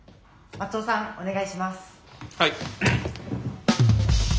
はい。